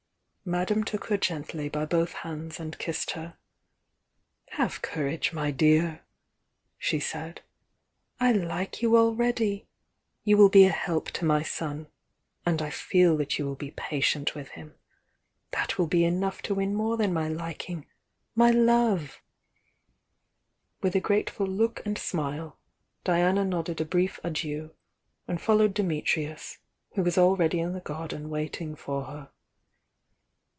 ^^Madame took her gently by both hands and kissed "Have courage, my dear!" she said. "I like vou already! You wiU be a help to my son, and I feel «iat you wiU be patient with him! That will kver° *°"^'^""""^""" "^y liking my With a grateful look and smile Diana nodded a brief adieu and followed Dimitrius, who wi^ad? m the garden waiting for her.